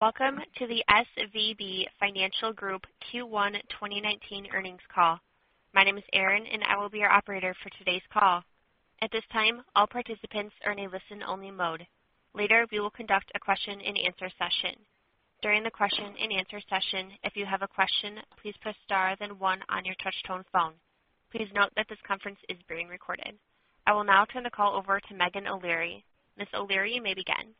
Welcome to the SVB Financial Group Q1 2019 Earnings Call. My name is Erin. I will be your operator for today's call. At this time, all participants are in a listen-only mode. Later, we will conduct a question-and-answer session. During the question-and-answer session, if you have a question, please press star then one on your touch-tone phone. Please note that this conference is being recorded. I will now turn the call over to Meghan O'Leary. Miss O'Leary, you may begin.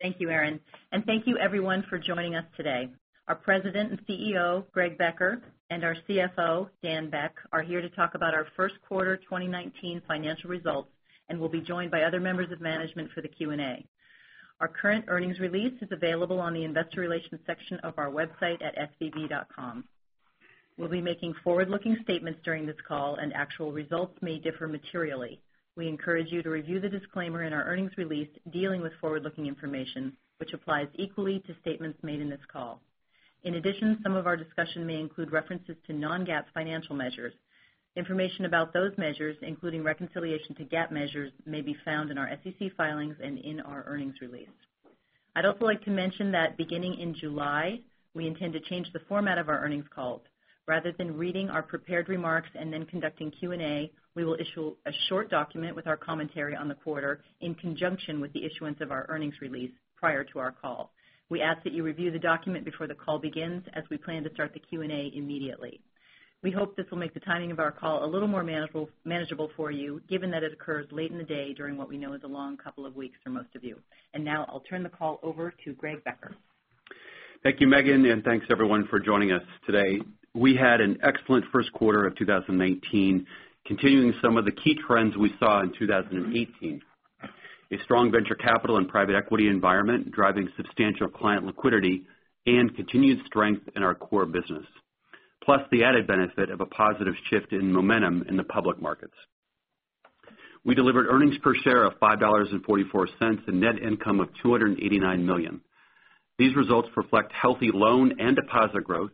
Thank you, Erin. Thank you everyone for joining us today. Our President and CEO, Greg Becker, and our CFO, Dan Beck, are here to talk about our first quarter 2019 financial results and will be joined by other members of management for the Q&A. Our current earnings release is available on the investor relations section of our website at svb.com. We'll be making forward-looking statements during this call and actual results may differ materially. We encourage you to review the disclaimer in our earnings release dealing with forward-looking information, which applies equally to statements made in this call. In addition, some of our discussion may include references to non-GAAP financial measures. Information about those measures, including reconciliation to GAAP measures, may be found in our SEC filings and in our earnings release. I'd also like to mention that beginning in July, we intend to change the format of our earnings calls. Rather than reading our prepared remarks and then conducting Q&A, we will issue a short document with our commentary on the quarter in conjunction with the issuance of our earnings release prior to our call. We ask that you review the document before the call begins as we plan to start the Q&A immediately. We hope this will make the timing of our call a little more manageable for you, given that it occurs late in the day during what we know is a long couple of weeks for most of you. Now I'll turn the call over to Greg Becker. Thank you, Meghan. Thanks everyone for joining us today. We had an excellent first quarter of 2019, continuing some of the key trends we saw in 2018. A strong venture capital and private equity environment driving substantial client liquidity and continued strength in our core business. Plus the added benefit of a positive shift in momentum in the public markets. We delivered earnings per share of $5.44 and net income of $289 million. These results reflect healthy loan and deposit growth,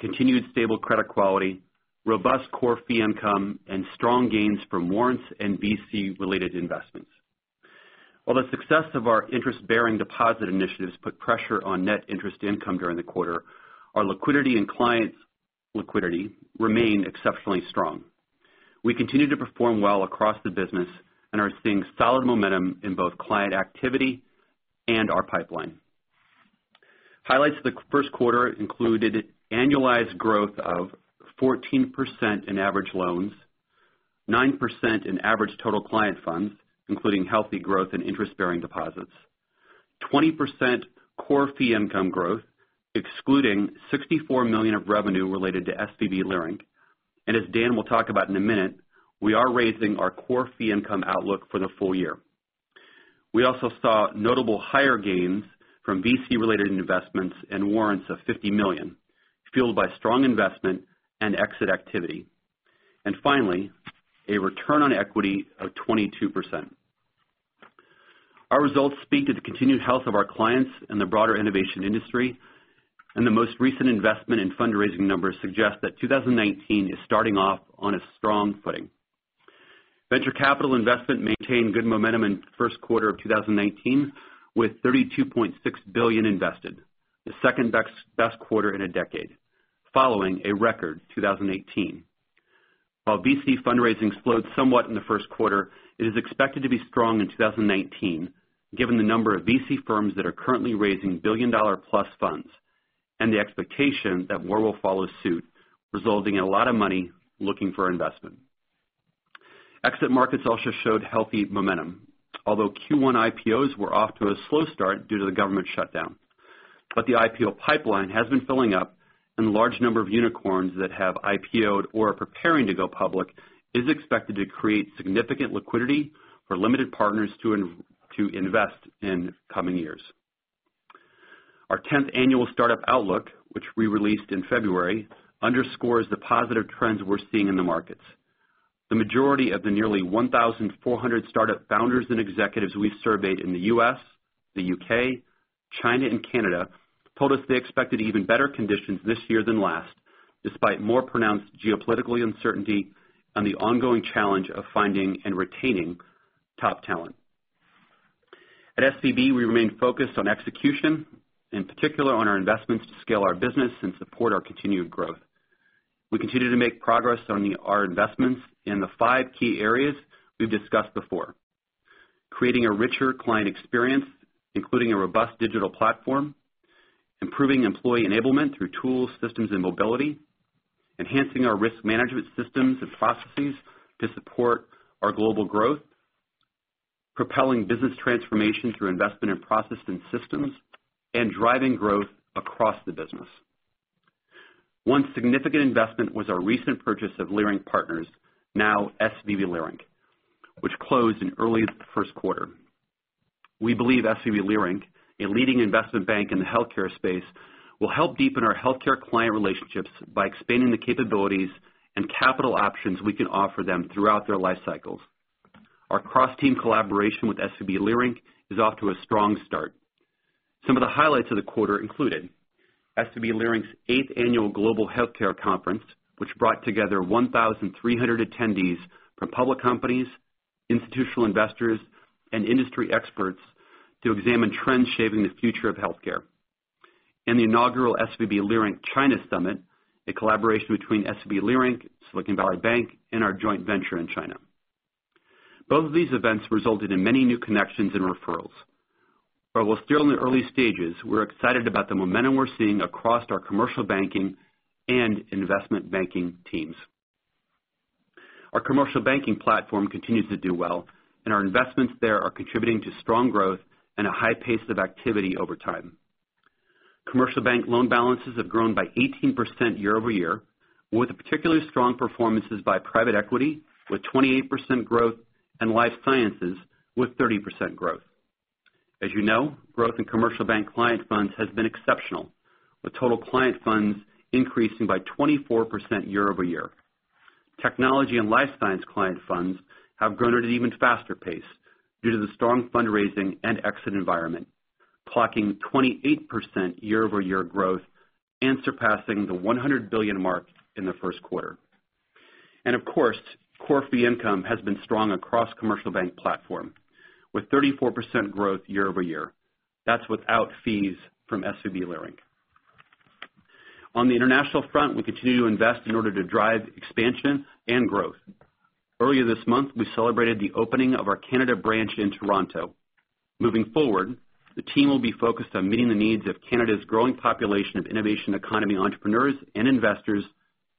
continued stable credit quality, robust core fee income, and strong gains from warrants and VC-related investments. While the success of our interest-bearing deposit initiatives put pressure on net interest income during the quarter, our liquidity and clients' liquidity remain exceptionally strong. We continue to perform well across the business and are seeing solid momentum in both client activity and our pipeline. Highlights of the first quarter included annualized growth of 14% in average loans, 9% in average total client funds, including healthy growth in interest-bearing deposits, 20% core fee income growth, excluding $64 million of revenue related to SVB Leerink. As Dan will talk about in a minute, we are raising our core fee income outlook for the full year. We also saw notable higher gains from VC-related investments and warrants of $50 million, fueled by strong investment and exit activity. Finally, a return on equity of 22%. Our results speak to the continued health of our clients and the broader innovation industry, and the most recent investment in fundraising numbers suggest that 2019 is starting off on a strong footing. Venture capital investment maintained good momentum in the first quarter of 2019, with $32.6 billion invested, the second-best quarter in a decade, following a record 2018. While VC fundraising slowed somewhat in the first quarter, it is expected to be strong in 2019, given the number of VC firms that are currently raising billion-dollar-plus funds and the expectation that more will follow suit, resulting in a lot of money looking for investment. Exit markets also showed healthy momentum. Although Q1 IPOs were off to a slow start due to the government shutdown. The IPO pipeline has been filling up, and the large number of unicorns that have IPO'd or are preparing to go public is expected to create significant liquidity for limited partners to invest in coming years. Our 10th annual startup outlook, which we released in February, underscores the positive trends we're seeing in the markets. The majority of the nearly 1,400 startup founders and executives we surveyed in the U.S., the U.K., China, and Canada told us they expected even better conditions this year than last, despite more pronounced geopolitical uncertainty and the ongoing challenge of finding and retaining top talent. At SVB, we remain focused on execution, in particular on our investments to scale our business and support our continued growth. We continue to make progress on our investments in the five key areas we've discussed before. Creating a richer client experience, including a robust digital platform. Improving employee enablement through tools, systems, and mobility. Enhancing our risk management systems and processes to support our global growth. Propelling business transformation through investment in process and systems. Driving growth across the business. One significant investment was our recent purchase of Leerink Partners, now SVB Leerink, which closed in early first quarter. We believe SVB Leerink, a leading investment bank in the healthcare space, will help deepen our healthcare client relationships by expanding the capabilities and capital options we can offer them throughout their lifecycles. Our cross-team collaboration with SVB Leerink is off to a strong start. Some of the highlights of the quarter included SVB Leerink's Eighth Annual Global Healthcare Conference, which brought together 1,300 attendees from public companies, institutional investors, and industry experts to examine trends shaping the future of healthcare. The inaugural SVB Leerink China Summit, a collaboration between SVB Leerink, Silicon Valley Bank, and our joint venture in China. Both of these events resulted in many new connections and referrals. While still in the early stages, we're excited about the momentum we're seeing across our commercial banking and investment banking teams. Our commercial banking platform continues to do well. Our investments there are contributing to strong growth and a high pace of activity over time. Commercial bank loan balances have grown by 18% year-over-year, with particularly strong performances by private equity, with 28% growth, and life sciences with 30% growth. As you know, growth in commercial bank client funds has been exceptional, with total client funds increasing by 24% year-over-year. Technology and life science client funds have grown at an even faster pace due to the strong fundraising and exit environment, clocking 28% year-over-year growth and surpassing the $100 billion mark in the first quarter. Of course, core fee income has been strong across commercial bank platform, with 34% growth year-over-year. That's without fees from SVB Leerink. On the international front, we continue to invest in order to drive expansion and growth. Earlier this month, we celebrated the opening of our Canada branch in Toronto. Moving forward, the team will be focused on meeting the needs of Canada's growing population of innovation economy entrepreneurs and investors,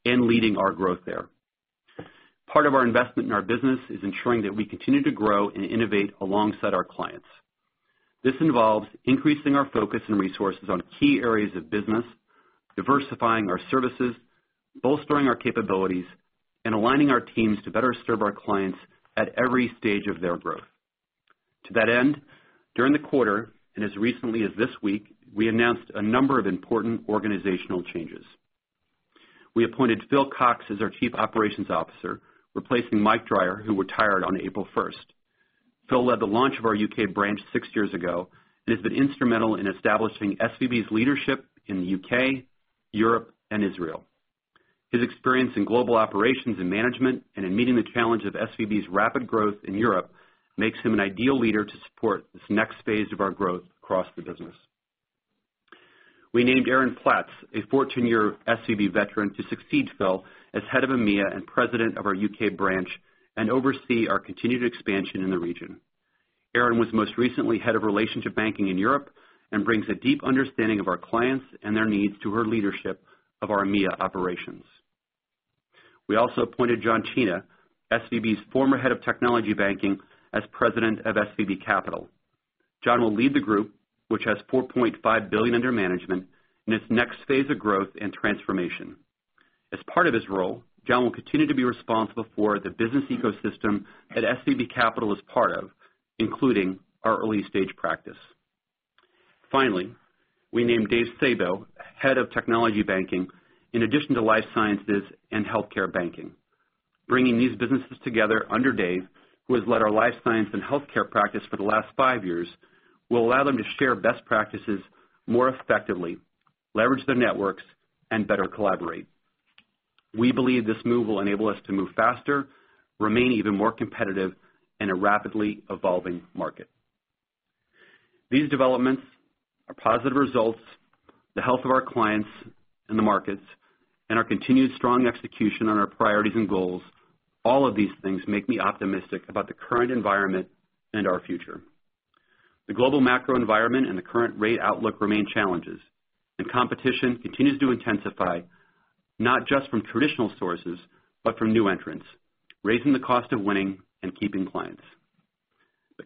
and leading our growth there. Part of our investment in our business is ensuring that we continue to grow and innovate alongside our clients. This involves increasing our focus and resources on key areas of business, diversifying our services, bolstering our capabilities, and aligning our teams to better serve our clients at every stage of their growth. To that end, during the quarter, as recently as this week, we announced a number of important organizational changes. We appointed Phil Cox as our Chief Operations Officer, replacing Mike Dreyer, who retired on April 1st. Phil led the launch of our U.K. branch six years ago and has been instrumental in establishing SVB's leadership in the U.K., Europe, and Israel. His experience in global operations and management, and in meeting the challenge of SVB's rapid growth in Europe, makes him an ideal leader to support this next phase of our growth across the business. We named Erin Platts, a 14-year SVB veteran, to succeed Phil as Head of EMEA and President of our U.K. branch, and oversee our continued expansion in the region. Erin was most recently head of relationship banking in Europe and brings a deep understanding of our clients and their needs to her leadership of our EMEA operations. We also appointed John China, SVB's former Head of Technology Banking, as President of SVB Capital. John will lead the group, which has $4.5 billion under management, in its next phase of growth and transformation. As part of his role, John will continue to be responsible for the business ecosystem that SVB Capital is part of, including our early-stage practice. Finally, we named Dave Sabow Head of Technology Banking in addition to Life Sciences and Healthcare Banking. Bringing these businesses together under Dave, who has led our Life Science and Healthcare practice for the last five years, will allow them to share best practices more effectively, leverage their networks, and better collaborate. We believe this move will enable us to move faster, remain even more competitive in a rapidly evolving market. These developments are positive results. The health of our clients and the markets, and our continued strong execution on our priorities and goals. All of these things make me optimistic about the current environment and our future. The global macro environment and the current rate outlook remain challenges, competition continues to intensify, not just from traditional sources, but from new entrants, raising the cost of winning and keeping clients.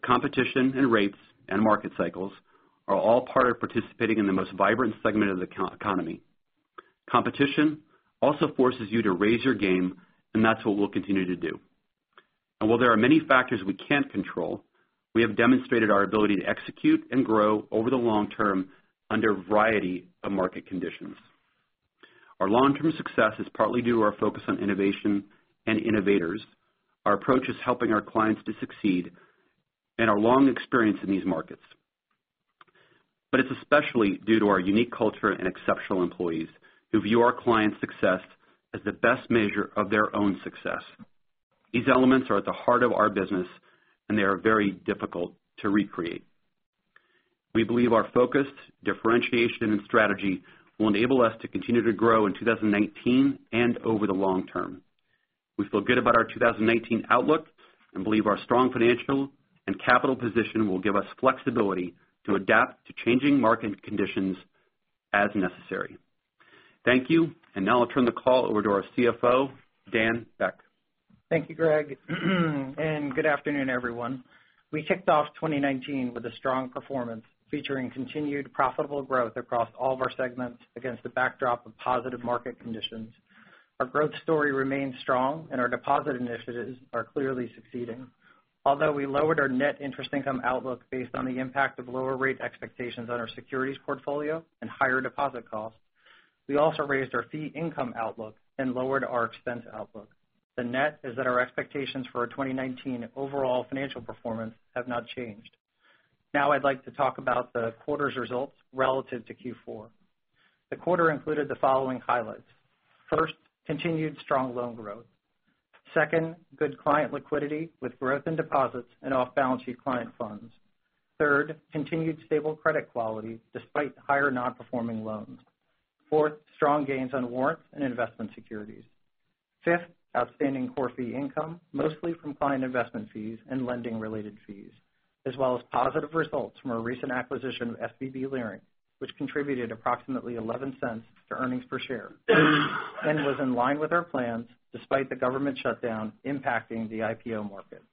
Competition and rates and market cycles are all part of participating in the most vibrant segment of the economy. Competition also forces you to raise your game, and that's what we'll continue to do. While there are many factors we can't control, we have demonstrated our ability to execute and grow over the long term under a variety of market conditions. Our long-term success is partly due to our focus on innovation and innovators. Our approach is helping our clients to succeed and our long experience in these markets. It's especially due to our unique culture and exceptional employees who view our clients' success as the best measure of their own success. These elements are at the heart of our business, and they are very difficult to recreate. We believe our focused differentiation and strategy will enable us to continue to grow in 2019 and over the long term. We feel good about our 2019 outlook and believe our strong financial and capital position will give us flexibility to adapt to changing market conditions as necessary. Thank you. Now I'll turn the call over to our CFO, Dan Beck. Thank you, Greg. Good afternoon, everyone. We kicked off 2019 with a strong performance featuring continued profitable growth across all of our segments against the backdrop of positive market conditions. Our growth story remains strong, and our deposit initiatives are clearly succeeding. Although we lowered our net interest income outlook based on the impact of lower rate expectations on our securities portfolio and higher deposit costs. We also raised our fee income outlook and lowered our expense outlook. The net is that our expectations for our 2019 overall financial performance have not changed. I'd like to talk about the quarter's results relative to Q4. The quarter included the following highlights. First, continued strong loan growth. Second, good client liquidity with growth in deposits and off-balance sheet client funds. Third, continued stable credit quality despite higher non-performing loans. Fourth, strong gains on warrants and investment securities. Fifth, outstanding core fee income, mostly from client investment fees and lending-related fees, as well as positive results from our recent acquisition of SVB Leerink, which contributed approximately $0.11 to earnings per share and was in line with our plans despite the government shutdown impacting the IPO market.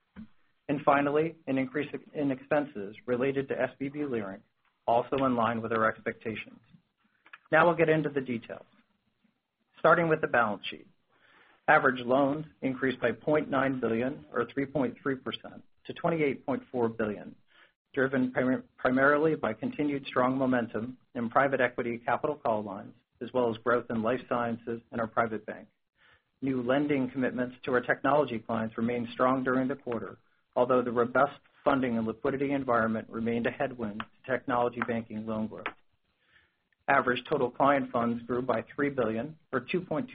Finally, an increase in expenses related to SVB Leerink, also in line with our expectations. We'll get into the details. Starting with the balance sheet. Average loans increased by $0.9 billion or 3.3% to $28.4 billion, driven primarily by continued strong momentum in private equity capital call lines, as well as growth in life sciences and our private bank. New lending commitments to our technology clients remained strong during the quarter, although the robust funding and liquidity environment remained a headwind to technology banking loan growth. Average total client funds grew by $3 billion or 2.2%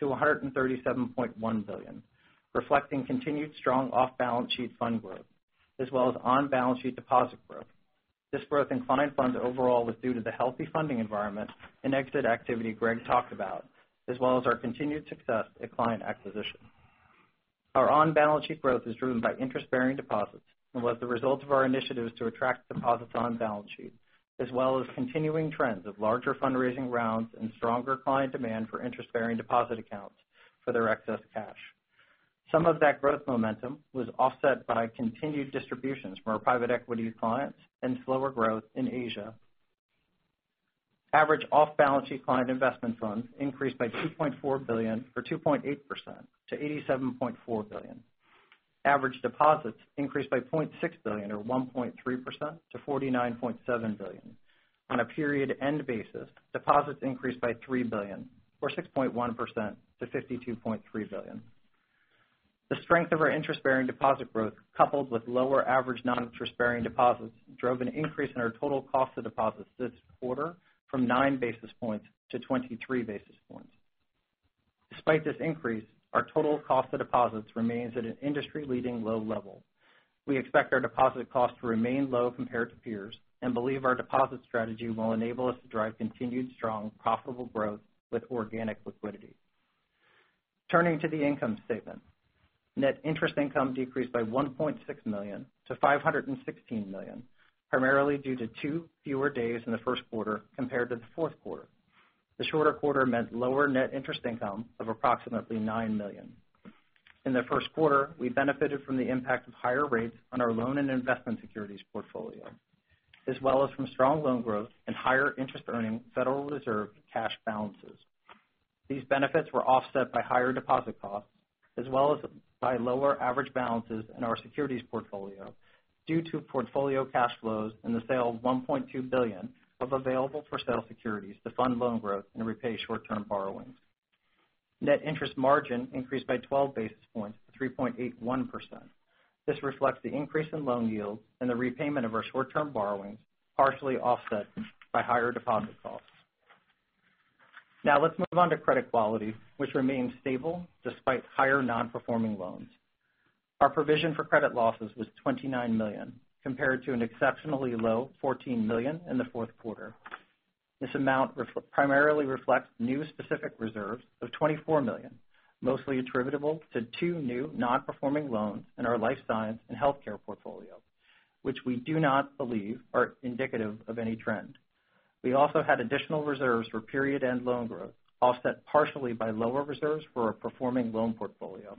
to $137.1 billion, reflecting continued strong off-balance sheet fund growth as well as on-balance sheet deposit growth. This growth in client funds overall was due to the healthy funding environment and exit activity Greg talked about, as well as our continued success at client acquisition. Our on-balance sheet growth is driven by interest-bearing deposits and was the result of our initiatives to attract deposits on-balance sheet, as well as continuing trends of larger fundraising rounds and stronger client demand for interest-bearing deposit accounts for their excess cash. Some of that growth momentum was offset by continued distributions from our private equity clients and slower growth in Asia. Average off-balance sheet client investment funds increased by $2.4 billion or 2.8% to $87.4 billion. Average deposits increased by $0.6 billion or 1.3% to $49.7 billion. On a period end basis, deposits increased by $3 billion or 6.1% to $52.3 billion. The strength of our interest-bearing deposit growth, coupled with lower average non-interest-bearing deposits, drove an increase in our total cost of deposits this quarter from nine basis points to 23 basis points. Despite this increase, our total cost of deposits remains at an industry-leading low level. We expect our deposit cost to remain low compared to peers and believe our deposit strategy will enable us to drive continued strong profitable growth with organic liquidity. Turning to the income statement. Net interest income decreased by $1.6 million to $516 million, primarily due to two fewer days in the first quarter compared to the fourth quarter. The shorter quarter meant lower net interest income of approximately $9 million. In the first quarter, we benefited from the impact of higher rates on our loan and investment securities portfolio, as well as from strong loan growth and higher interest earning Federal Reserve cash balances. These benefits were offset by higher deposit costs, as well as by lower average balances in our securities portfolio due to portfolio cash flows and the sale of $1.2 billion of available-for-sale securities to fund loan growth and repay short-term borrowings. Net interest margin increased by 12 basis points to 3.81%. This reflects the increase in loan yields and the repayment of our short-term borrowings, partially offset by higher deposit costs. Let's move on to credit quality, which remains stable despite higher non-performing loans. Our provision for credit losses was $29 million, compared to an exceptionally low $14 million in the fourth quarter. This amount primarily reflects new specific reserves of $24 million, mostly attributable to two new non-performing loans in our life science and healthcare portfolio, which we do not believe are indicative of any trend. We also had additional reserves for period-end loan growth, offset partially by lower reserves for our performing loan portfolio.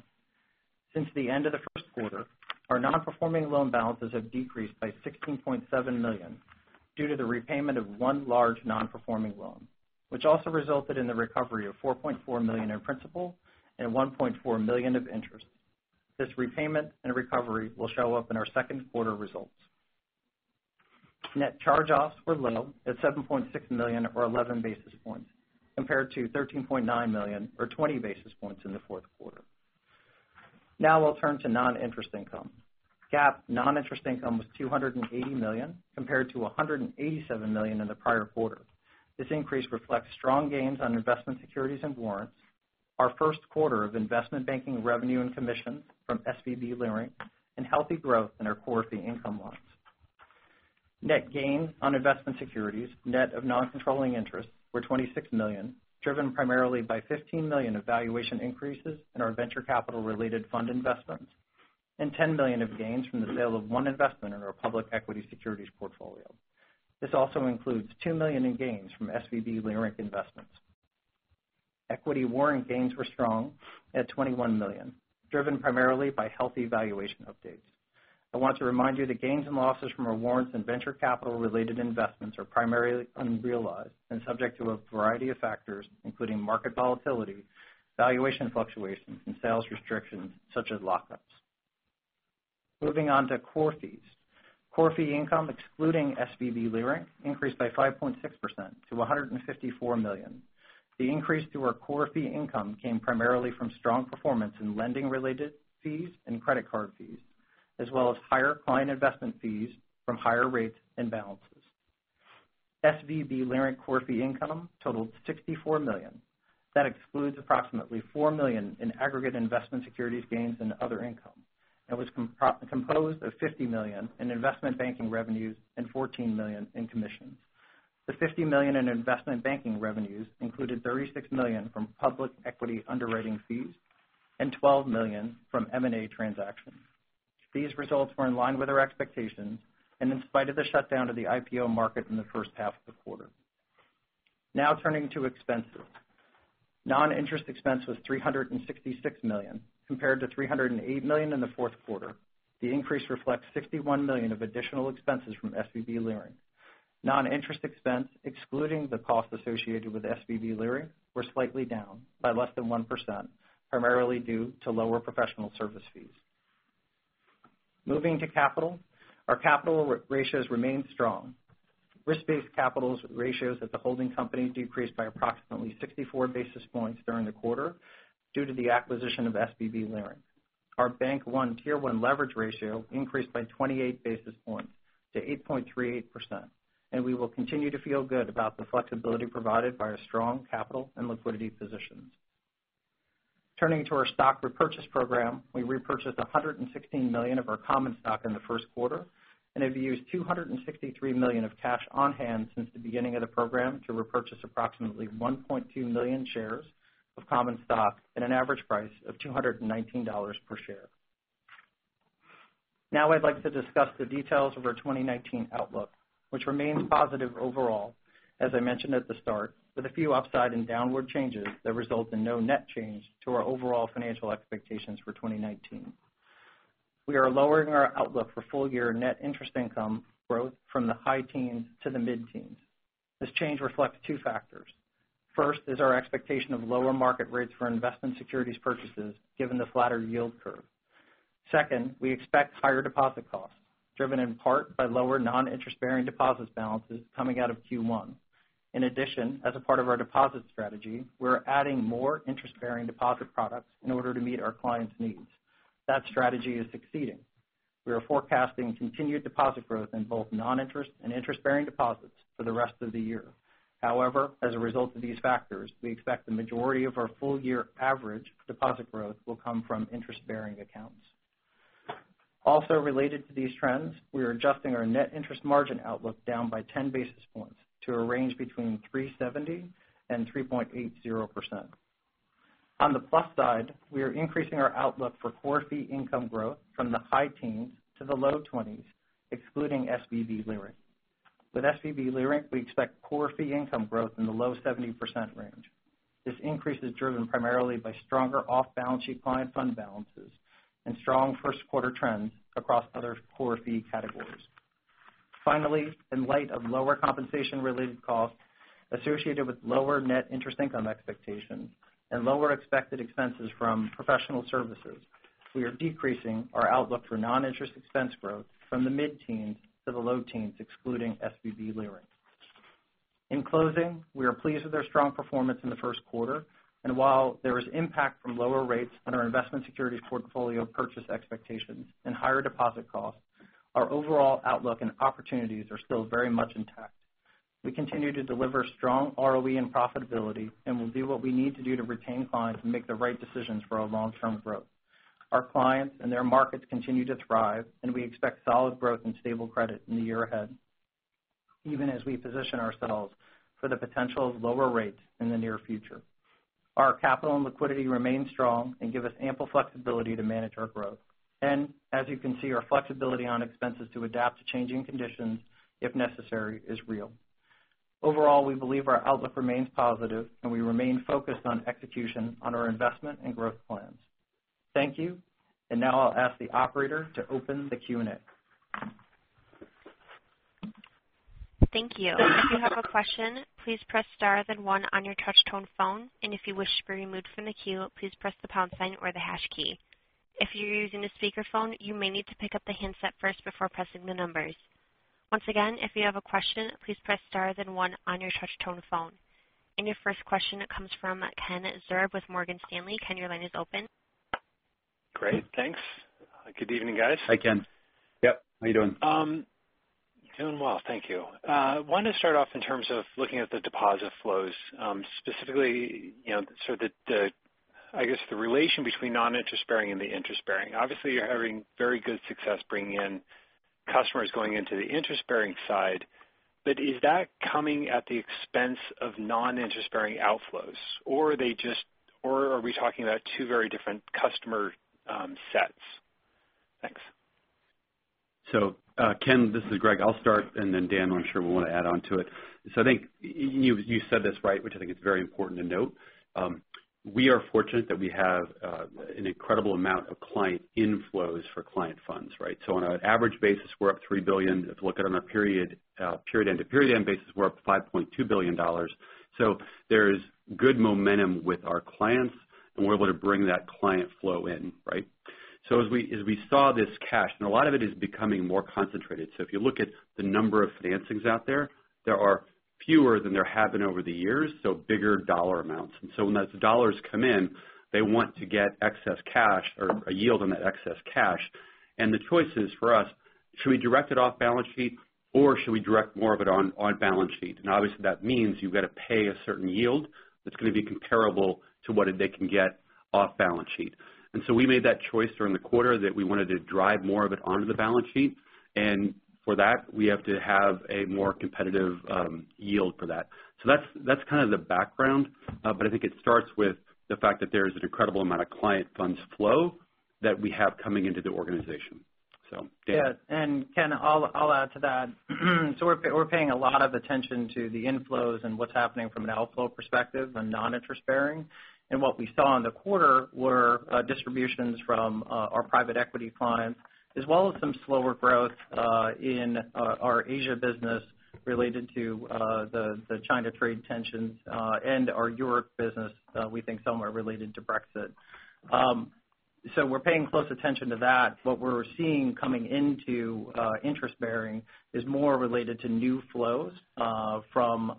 Since the end of the first quarter, our non-performing loan balances have decreased by $16.7 million due to the repayment of one large non-performing loan, which also resulted in the recovery of $4.4 million in principal and $1.4 million of interest. This repayment and recovery will show up in our second quarter results. Net charge-offs were low at $7.6 million or 11 basis points, compared to $13.9 million or 20 basis points in the fourth quarter. We'll turn to non-interest income. GAAP non-interest income was $280 million, compared to $187 million in the prior quarter. This increase reflects strong gains on investment securities and warrants, our first quarter of investment banking revenue and commissions from SVB Leerink, and healthy growth in our core fee income lines. Net gains on investment securities net of non-controlling interests were $26 million, driven primarily by $15 million of valuation increases in our venture capital-related fund investments and $10 million of gains from the sale of one investment in our public equity securities portfolio. This also includes $2 million in gains from SVB Leerink investments. Equity warrant gains were strong at $21 million, driven primarily by healthy valuation updates. I want to remind you that gains and losses from our warrants and venture capital-related investments are primarily unrealized and subject to a variety of factors, including market volatility, valuation fluctuations, and sales restrictions such as lockups. Moving on to core fees. Core fee income, excluding SVB Leerink, increased by 5.6% to $154 million. The increase to our core fee income came primarily from strong performance in lending-related fees and credit card fees, as well as higher client investment fees from higher rates and balances. SVB Leerink core fee income totaled $64 million. That excludes approximately $4 million in aggregate investment securities gains and other income, and was composed of $50 million in investment banking revenues and $14 million in commissions. The $50 million in investment banking revenues included $36 million from public equity underwriting fees and $12 million from M&A transactions. These results were in line with our expectations and in spite of the shutdown of the IPO market in the first half of the quarter. Now turning to expenses. Non-interest expense was $366 million, compared to $308 million in the fourth quarter. The increase reflects $61 million of additional expenses from SVB Leerink. Non-interest expense, excluding the cost associated with SVB Leerink, were slightly down by less than 1%, primarily due to lower professional service fees. Moving to capital. Our capital ratios remained strong. Risk-based capital ratios at the holding company decreased by approximately 64 basis points during the quarter due to the acquisition of SVB Leerink. Our Bank One Tier 1 leverage ratio increased by 28 basis points to 8.38%, and we will continue to feel good about the flexibility provided by our strong capital and liquidity positions. Turning to our stock repurchase program. We repurchased $116 million of our common stock in the first quarter and have used $263 million of cash on hand since the beginning of the program to repurchase approximately 1.2 million shares of common stock at an average price of $219 per share. I'd like to discuss the details of our 2019 outlook, which remains positive overall, as I mentioned at the start, with a few upside and downward changes that result in no net change to our overall financial expectations for 2019. We are lowering our outlook for full year net interest income growth from the high teens to the mid teens. This change reflects two factors. First is our expectation of lower market rates for investment securities purchases, given the flatter yield curve. Second, we expect higher deposit costs, driven in part by lower non-interest-bearing deposits balances coming out of Q1. In addition, as a part of our deposit strategy, we're adding more interest-bearing deposit products in order to meet our clients' needs. That strategy is succeeding. We are forecasting continued deposit growth in both non-interest and interest-bearing deposits for the rest of the year. However, as a result of these factors, we expect the majority of our full year average deposit growth will come from interest-bearing accounts. Also related to these trends, we are adjusting our net interest margin outlook down by 10 basis points to a range between 3.70% and 3.80%. On the plus side, we are increasing our outlook for core fee income growth from the high teens to the low 20%, excluding SVB Leerink. With SVB Leerink, we expect core fee income growth in the low 70% range. This increase is driven primarily by stronger off-balance sheet client fund balances and strong first quarter trends across other core fee categories. Finally, in light of lower compensation-related costs associated with lower net interest income expectations and lower expected expenses from professional services, we are decreasing our outlook for non-interest expense growth from the mid teens to the low teens, excluding SVB Leerink. In closing, we are pleased with our strong performance in the first quarter. While there is impact from lower rates on our investment securities portfolio purchase expectations and higher deposit costs, our overall outlook and opportunities are still very much intact. We continue to deliver strong ROE and profitability and will do what we need to do to retain clients and make the right decisions for our long-term growth. Our clients and their markets continue to thrive. We expect solid growth and stable credit in the year ahead, even as we position ourselves for the potential of lower rates in the near future. Our capital and liquidity remain strong. Give us ample flexibility to manage our growth. As you can see, our flexibility on expenses to adapt to changing conditions if necessary is real. Overall, we believe our outlook remains positive. We remain focused on execution on our investment and growth plans. Thank you. Now I'll ask the Operator to open the Q&A. Thank you. If you have a question, please press star then one on your touch tone phone. If you wish to be removed from the queue, please press the pound sign or the hash key. If you're using a speakerphone, you may need to pick up the handset first before pressing the numbers. Once again, if you have a question, please press star then one on your touch tone phone. Your first question comes from Ken Zerbe with Morgan Stanley. Ken, your line is open. Great. Thanks. Good evening, guys. Hi, Ken. Yep. How you doing? Doing well. Thank you. Wanted to start off in terms of looking at the deposit flows, specifically, I guess the relation between non-interest bearing and the interest bearing. Obviously, you're having very good success bringing in customers going into the interest-bearing side. Is that coming at the expense of non-interest bearing outflows? Are we talking about two very different customer sets? Thanks. Ken, this is Greg. I'll start. Then Dan, I'm sure will want to add onto it. I think you said this right, which I think is very important to note. We are fortunate that we have an incredible amount of client inflows for client funds, right? On an average basis, we're up $3 billion. If you look at it on a period end to period end basis, we're up $5.2 billion. There's good momentum with our clients. We're able to bring that client flow in, right? As we saw this cash, a lot of it is becoming more concentrated. If you look at the number of financings out there are fewer than there have been over the years, so bigger dollar amounts. When those dollars come in, they want to get excess cash or a yield on that excess cash. The choice is for us, should we direct it off balance sheet, or should we direct more of it on balance sheet? Obviously, that means you've got to pay a certain yield that's going to be comparable to what they can get off balance sheet. We made that choice during the quarter that we wanted to drive more of it onto the balance sheet. For that, we have to have a more competitive yield for that. That's kind of the background. I think it starts with the fact that there is an incredible amount of client funds flow that we have coming into the organization. Dan. Yeah. Ken, I'll add to that. We're paying a lot of attention to the inflows and what's happening from an outflow perspective and non-interest bearing. What we saw in the quarter were distributions from our private equity clients, as well as some slower growth in our Asia business related to the China trade tensions, and our Europe business, we think somewhere related to Brexit. We're paying close attention to that. What we're seeing coming into interest bearing is more related to new flows from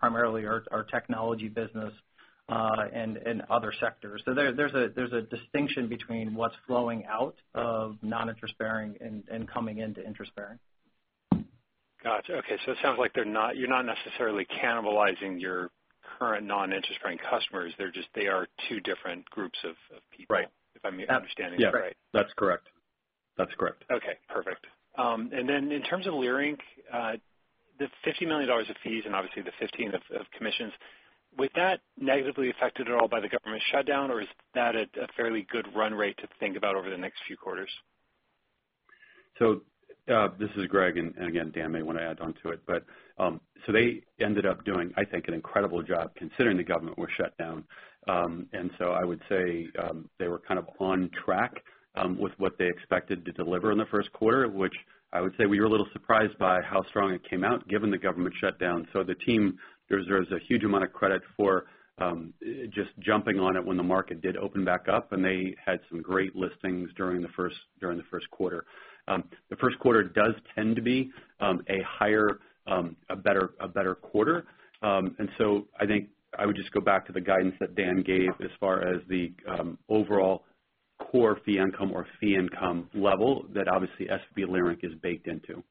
primarily our technology business, and other sectors. There's a distinction between what's flowing out of non-interest bearing and coming into interest bearing. Got you. Okay. It sounds like you're not necessarily cannibalizing your current non-interest bearing customers. They are two different groups of people. Right. If I'm understanding that right. Yes. That's correct. Okay, perfect. In terms of Leerink, the $50 million of fees and obviously the $15 million of commissions. Was that negatively affected at all by the government shutdown? Is that at a fairly good run rate to think about over the next few quarters? This is Greg, and again, Dan may want to add onto it. They ended up doing, I think, an incredible job considering the government was shut down. I would say they were kind of on track with what they expected to deliver in the first quarter, which I would say we were a little surprised by how strong it came out given the government shutdown. The team deserves a huge amount of credit for just jumping on it when the market did open back up, and they had some great listings during the first quarter. The first quarter does tend to be a better quarter. I think I would just go back to the guidance that Dan gave as far as the overall core fee income or fee income level that obviously SVB Leerink is baked into.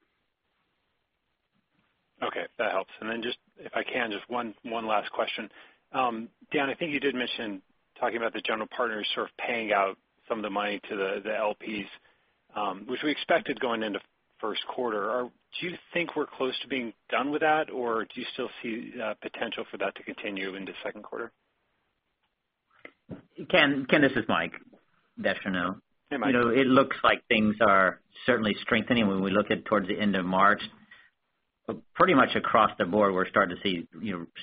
Okay, that helps. Just if I can, just one last question. Dan, I think you did mention talking about the general partners sort of paying out some of the money to the LPs, which we expected going into first quarter. Do you think we're close to being done with that, or do you still see potential for that to continue into second quarter? Ken, this is Mike Descheneaux. Hey, Mike. It looks like things are certainly strengthening when we look at towards the end of March. Pretty much across the board, we're starting to see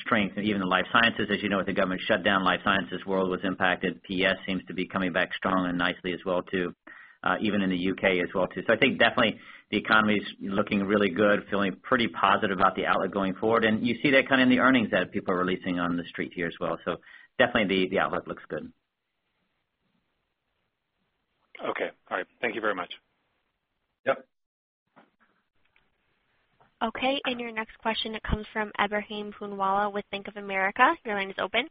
strength, even in life sciences. As you know, with the government shutdown, life sciences world was impacted. PS seems to be coming back strong and nicely as well too. Even in the U.K. as well too. I think definitely the economy's looking really good, feeling pretty positive about the outlook going forward. You see that kind of in the earnings that people are releasing on the Street here as well. Definitely the outlook looks good. Okay. All right. Thank you very much. Yep. Okay. Your next question comes from Ebrahim Poonawala with Bank of America. Your line is open.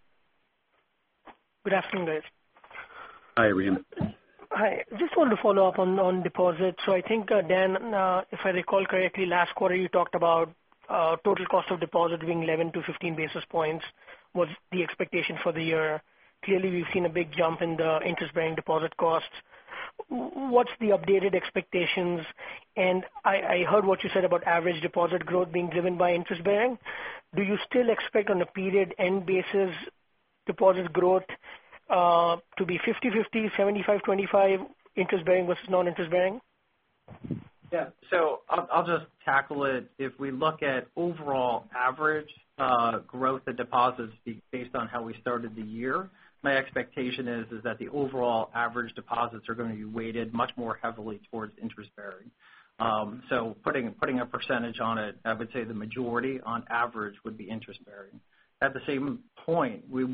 Good afternoon, guys. Hi, Ebrahim. Hi. Just wanted to follow up on deposits. I think, Dan, if I recall correctly, last quarter you talked about total cost of deposit being 11-15 basis points was the expectation for the year. Clearly, we've seen a big jump in the interest-bearing deposit costs. What's the updated expectations? I heard what you said about average deposit growth being driven by interest bearing. Do you still expect on a period end basis deposit growth to be 50%/50%, 75%/25% interest bearing versus non-interest bearing? Yeah. I'll just tackle it. If we look at overall average growth and deposits based on how we started the year, my expectation is that the overall average deposits are going to be weighted much more heavily towards interest bearing. Putting a percentage on it, I would say the majority on average would be interest bearing. At the same point, we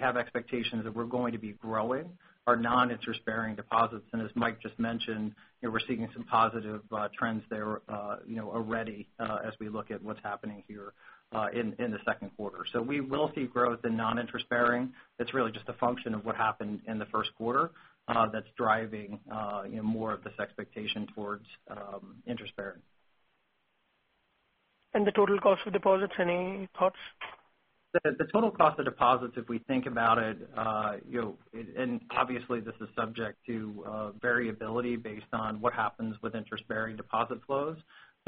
have expectations that we're going to be growing our non-interest-bearing deposits. As Mike just mentioned, we're seeing some positive trends there already as we look at what's happening here in the second quarter. We will see growth in non-interest bearing. It's really just a function of what happened in the first quarter that's driving more of this expectation towards interest bearing. The total cost of deposits, any thoughts? The total cost of deposits, if we think about it, and obviously this is subject to variability based on what happens with interest-bearing deposit flows,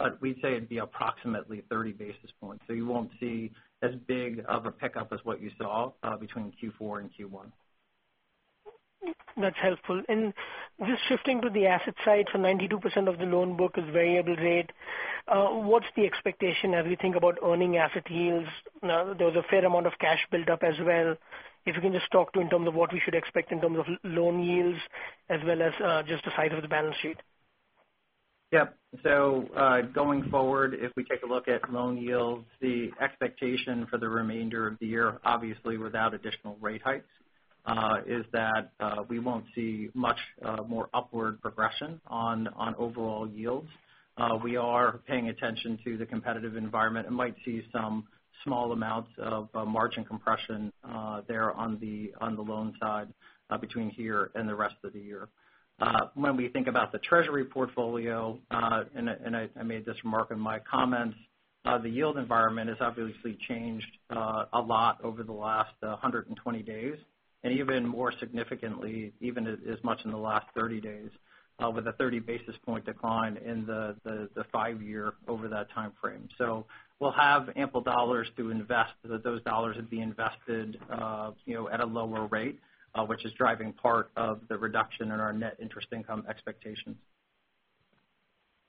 but we'd say it'd be approximately 30 basis points. You won't see as big of a pickup as what you saw between Q4 and Q1. That's helpful. Just shifting to the asset side, 92% of the loan book is variable rate. What's the expectation as we think about earning asset yields? There was a fair amount of cash built up as well. If you can just talk to in terms of what we should expect in terms of loan yields as well as just the size of the balance sheet. Yep. Going forward, if we take a look at loan yields, the expectation for the remainder of the year, obviously without additional rate hikes, is that we won't see much more upward progression on overall yields. We are paying attention to the competitive environment and might see some small amounts of margin compression there on the loan side between here and the rest of the year. When we think about the treasury portfolio, and I made this remark in my comments, the yield environment has obviously changed a lot over the last 120 days, and even more significantly, even as much in the last 30 days, with a 30 basis point decline in the five-year over that timeframe. We'll have ample dollars to invest, but those dollars would be invested at a lower rate, which is driving part of the reduction in our net interest income expectations.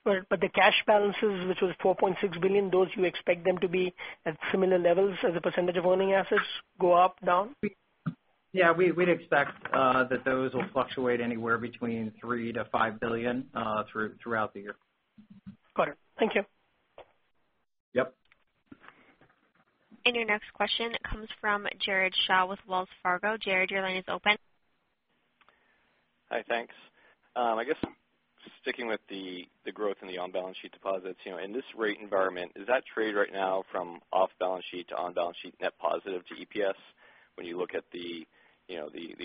Right. The cash balances, which was $4.6 billion, those you expect them to be at similar levels as a percentage of earning assets go up, down? Yeah, we'd expect that those will fluctuate anywhere between $3 billion-$5 billion throughout the year. Got it. Thank you. Yep. Your next question comes from Jared Shaw with Wells Fargo. Jared, your line is open. Hi. Thanks. I guess I'm sticking with the growth in the on-balance sheet deposits. In this rate environment, is that trade right now from off-balance sheet to on-balance sheet net positive to EPS when you look at the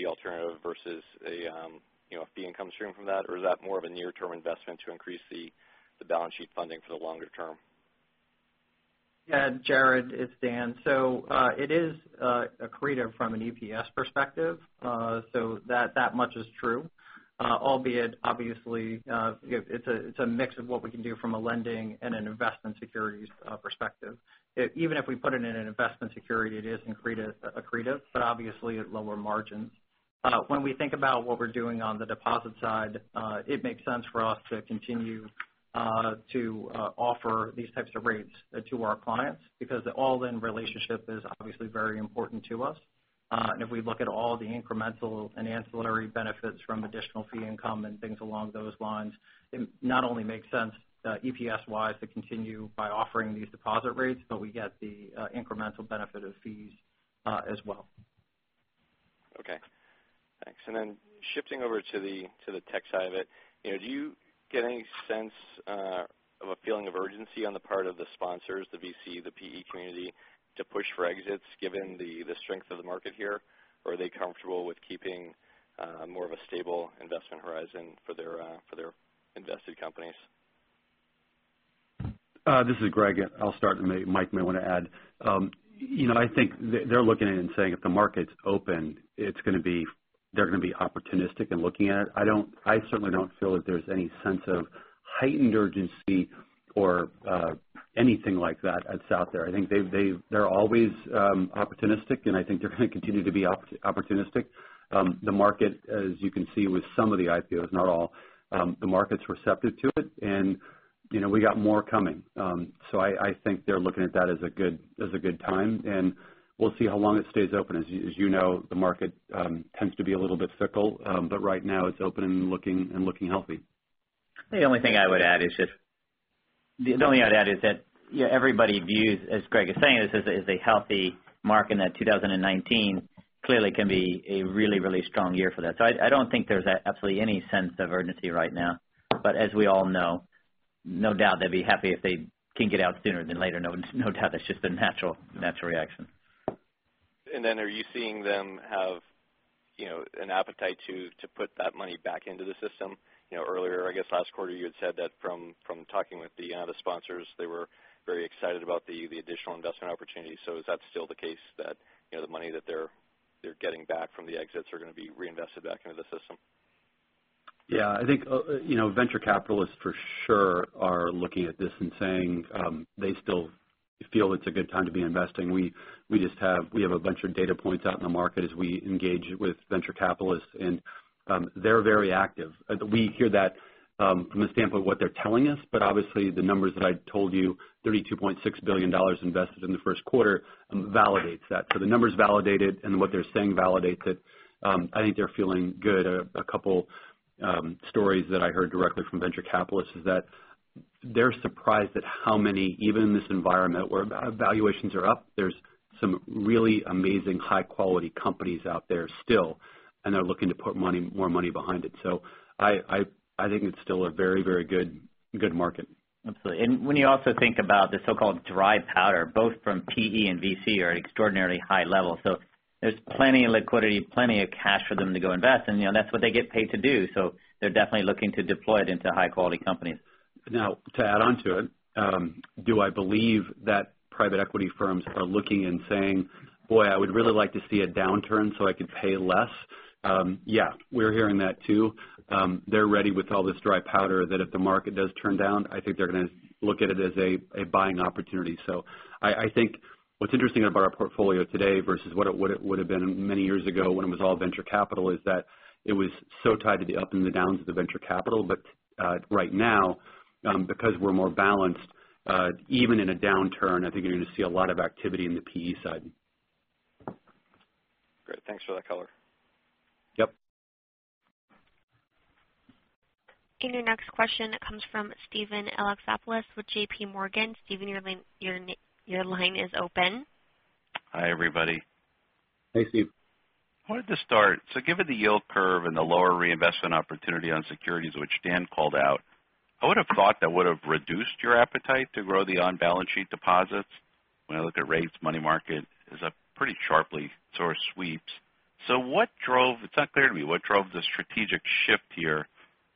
alternative versus a fee income stream from that, or is that more of a near-term investment to increase the balance sheet funding for the longer term? Yeah, Jared, it's Dan. It is accretive from an EPS perspective. That much is true. Albeit obviously, it's a mix of what we can do from a lending and an investment securities perspective. Even if we put it in an investment security, it is accretive, but obviously at lower margins. When we think about what we're doing on the deposit side, it makes sense for us to continue to offer these types of rates to our clients because the all-in relationship is obviously very important to us. If we look at all the incremental and ancillary benefits from additional fee income and things along those lines, it not only makes sense EPS-wise to continue by offering these deposit rates, but we get the incremental benefit of fees as well. Okay. Thanks. Then shifting over to the tech side of it. Do you get any sense of a feeling of urgency on the part of the sponsors, the VC, the PE community, to push for exits given the strength of the market here, or are they comfortable with keeping more of a stable investment horizon for their invested companies? This is Greg. I'll start and Mike may want to add. I think they're looking at it and saying if the market's open, they're going to be opportunistic in looking at it. I certainly don't feel that there's any sense of heightened urgency or anything like that that's out there. I think they're always opportunistic, and I think they're going to continue to be opportunistic. The market, as you can see with some of the IPOs, not all, the market's receptive to it and we got more coming. I think they're looking at that as a good time, and we'll see how long it stays open. As you know, the market tends to be a little bit fickle. Right now it's open and looking healthy. The only thing I would add is that everybody views, as Greg is saying, this as a healthy market, and that 2019 clearly can be a really strong year for that. I don't think there's absolutely any sense of urgency right now. As we all know, no doubt they'd be happy if they can get out sooner than later. No doubt. That's just the natural reaction. Are you seeing them have an appetite to put that money back into the system? Earlier, I guess last quarter, you had said that from talking with the sponsors, they were very excited about the additional investment opportunities. Is that still the case that the money that they're getting back from the exits are going to be reinvested back into the system? Yeah. I think venture capitalists for sure are looking at this and saying they still feel it's a good time to be investing. We have a bunch of data points out in the market as we engage with venture capitalists, and they're very active. We hear that from the standpoint of what they're telling us, but obviously the numbers that I told you, $32.6 billion invested in the first quarter, validates that. The numbers validate it, and what they're saying validates it. I think they're feeling good. A couple stories that I heard directly from venture capitalists is that they're surprised at how many, even in this environment where valuations are up, there's some really amazing high-quality companies out there still, and they're looking to put more money behind it. I think it's still a very good market. When you also think about the so-called dry powder, both from PE and VC are at extraordinarily high levels. There's plenty of liquidity, plenty of cash for them to go invest in. That's what they get paid to do. They're definitely looking to deploy it into high-quality companies. To add onto it, do I believe that private equity firms are looking and saying, "Boy, I would really like to see a downturn so I could pay less"? Yeah. We're hearing that too. They're ready with all this dry powder that if the market does turn down, I think they're going to look at it as a buying opportunity. I think what's interesting about our portfolio today versus what it would have been many years ago when it was all venture capital, is that it was so tied to the up and the downs of the venture capital. Right now because we're more balanced even in a downturn, I think you're going to see a lot of activity in the PE side. Great. Thanks for that color. Yep. Your next question comes from Steven Alexopoulos with JPMorgan. Steven, your line is open. Hi, everybody. Hey, Steve. I wanted to start, given the yield curve and the lower reinvestment opportunity on securities, which Dan called out, I would've thought that would've reduced your appetite to grow the on-balance sheet deposits. When I look at rates, money market is up pretty sharply, so are sweeps. It's not clear to me what drove the strategic shift here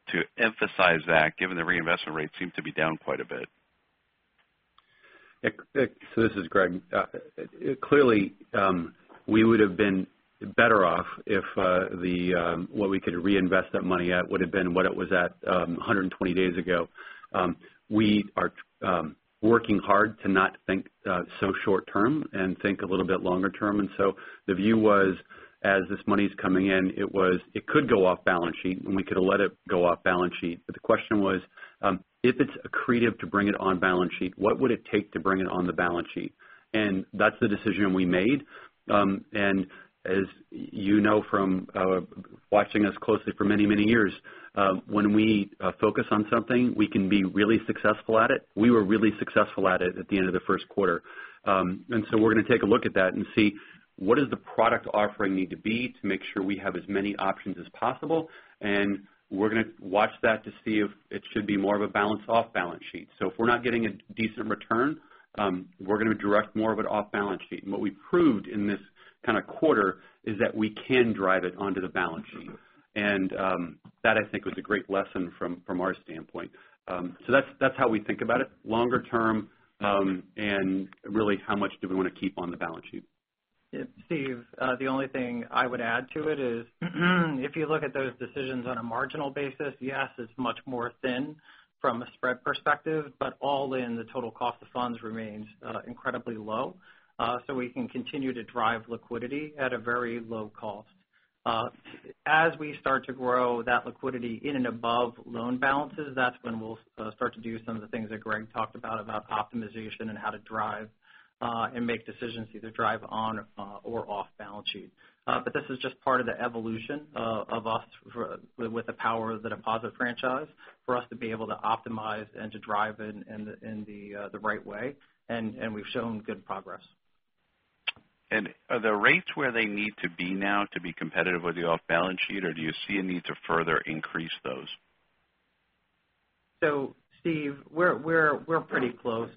to emphasize that, given the reinvestment rate seemed to be down quite a bit. This is Greg. Clearly, we would've been better off if what we could reinvest that money at would've been what it was at 120 days ago. We are working hard to not think so short term and think a little bit longer term. The view was, as this money's coming in, it could go off balance sheet, we could've let it go off balance sheet. The question was, if it's accretive to bring it on balance sheet, what would it take to bring it on the balance sheet? That's the decision we made. As you know from watching us closely for many, many years, when we focus on something, we can be really successful at it. We were really successful at it at the end of the first quarter. We're going to take a look at that and see what does the product offering need to be to make sure we have as many options as possible. We're going to watch that to see if it should be more of a balance off balance sheet. If we're not getting a decent return, we're going to direct more of it off balance sheet. What we proved in this kind of quarter is that we can drive it onto the balance sheet. That, I think, was a great lesson from our standpoint. That's how we think about it, longer term, and really how much do we want to keep on the balance sheet. Steve, the only thing I would add to it is if you look at those decisions on a marginal basis, yes, it's much more thin from a spread perspective, but all in the total cost of funds remains incredibly low. We can continue to drive liquidity at a very low cost. As we start to grow that liquidity in and above loan balances, that's when we'll start to do some of the things that Greg talked about optimization and how to drive and make decisions to either drive on or off balance sheet. This is just part of the evolution of us with the power of the deposit franchise for us to be able to optimize and to drive in the right way, and we've shown good progress. Are the rates where they need to be now to be competitive with the off-balance sheet, or do you see a need to further increase those? Steve, we're pretty close.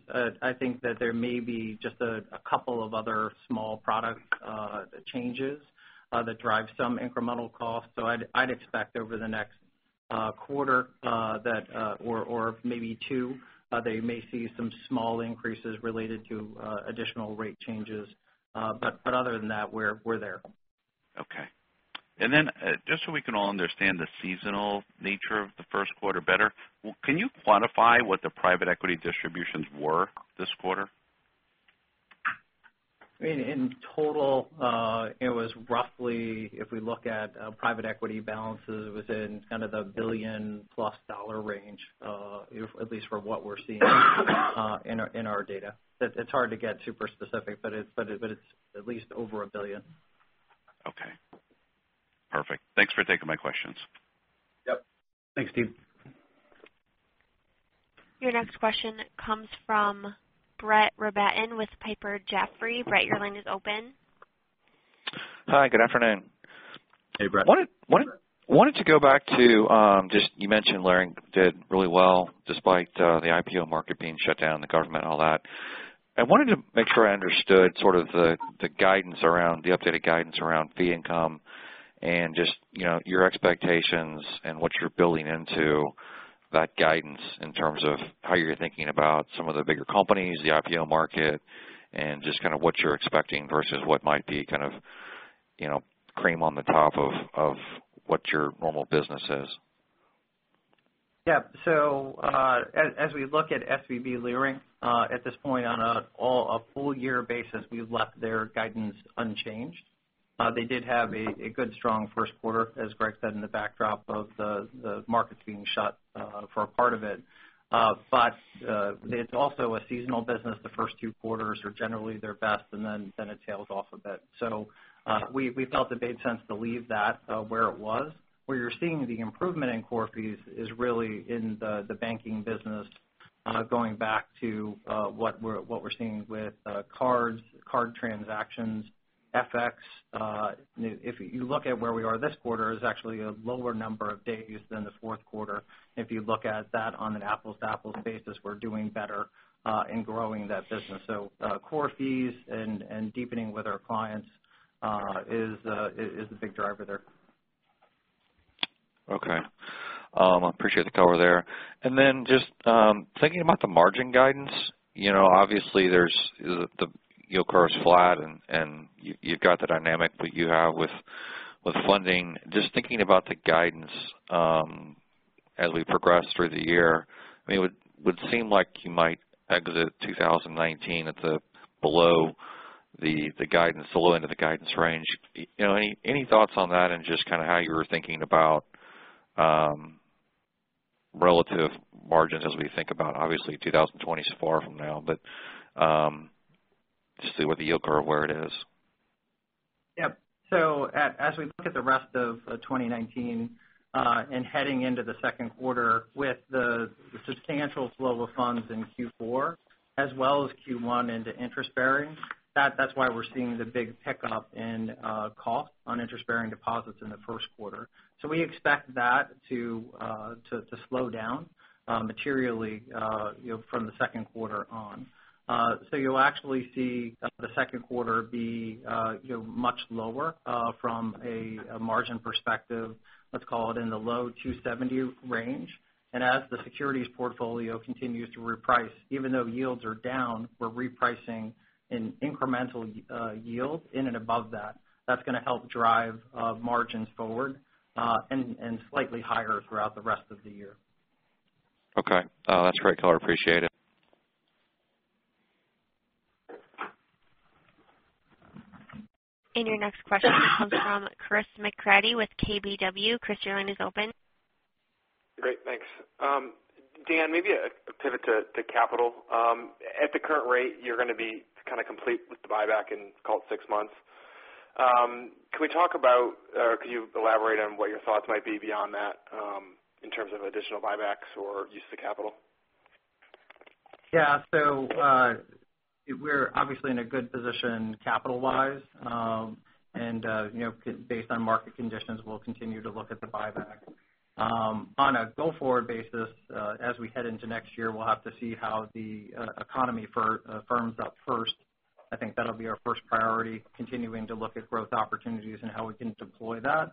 I think that there may be just a couple of other small product changes that drive some incremental costs. I'd expect over the next quarter that or maybe two, they may see some small increases related to additional rate changes. Other than that, we're there. Okay. Then just so we can all understand the seasonal nature of the first quarter better, can you quantify what the private equity distributions were this quarter? In total, it was roughly, if we look at private equity balances within kind of the $1 billion+ range, at least from what we're seeing in our data. It's hard to get super specific, but it's at least over $1 billion. Okay. Perfect. Thanks for taking my questions. Yep. Thanks, Steve. Your next question comes from Brett Rabatin with Piper Jaffray. Brett, your line is open. Hi, good afternoon. Hey, Brett. Wanted to go back to just, you mentioned Leerink did really well despite the IPO market being shut down, the government, all that. I wanted to make sure I understood sort of the updated guidance around fee income and just your expectations and what you're building into that guidance in terms of how you're thinking about some of the bigger companies, the IPO market, and just kind of what you're expecting versus what might be kind of cream on the top of what your normal business is. Yeah. As we look at SVB Leerink at this point on a full year basis, we've left their guidance unchanged. They did have a good strong first quarter, as Greg said, in the backdrop of the markets being shut for a part of it. It's also a seasonal business. The first two quarters are generally their best, and then it tails off a bit. We felt it made sense to leave that where it was. Where you're seeing the improvement in core fees is really in the banking business going back to what we're seeing with cards, card transactions, FX. If you look at where we are this quarter is actually a lower number of days than the fourth quarter. If you look at that on an apples-to-apples basis, we're doing better in growing that business. Core fees and deepening with our clients is a big driver there. Okay. I appreciate the color there. Just thinking about the margin guidance, obviously the yield curve is flat and you've got the dynamic that you have with funding. Just thinking about the guidance as we progress through the year, it would seem like you might exit 2019 at the below the guidance, the low end of the guidance range. Any thoughts on that and just kind of how you were thinking about relative margins as we think about, obviously 2020 is far from now, but just see where the yield curve, where it is. Yep. As we look at the rest of 2019, and heading into the second quarter with the substantial flow of funds in Q4 as well as Q1 into interest bearing, that's why we're seeing the big pickup in cost on interest bearing deposits in the first quarter. We expect that to slow down materially from the second quarter on. You'll actually see the second quarter be much lower, from a margin perspective, let's call it in the low 270 range. As the securities portfolio continues to reprice, even though yields are down, we're repricing in incremental yields in and above that. That's going to help drive margins forward, and slightly higher throughout the rest of the year. Okay. That's great color. Appreciate it. Your next question comes from Chris McGratty with KBW. Chris, your line is open. Great. Thanks. Dan, maybe a pivot to capital. At the current rate, you're going to be kind of complete with the buyback in call it six months. Can you elaborate on what your thoughts might be beyond that, in terms of additional buybacks or use of the capital? Yeah. We're obviously in a good position capital-wise. Based on market conditions, we'll continue to look at the buyback. On a go-forward basis, as we head into next year, we'll have to see how the economy firms up first. I think that'll be our first priority, continuing to look at growth opportunities and how we can deploy that.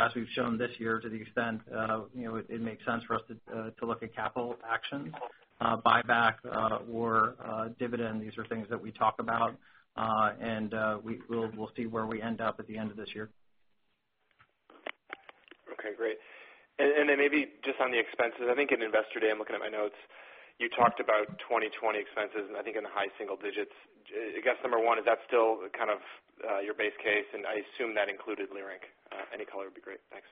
As we've shown this year to the extent it makes sense for us to look at capital actions, buyback, or dividend. These are things that we talk about, and we'll see where we end up at the end of this year. Okay, great. Maybe just on the expenses. I think in Investor Day, I am looking at my notes, you talked about 2020 expenses and I think in the high single digits. I guess number one, is that still kind of your base case? I assume that included Leerink. Any color would be great. Thanks.